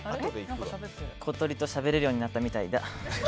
小鳥としゃべれるようになったみたいだ。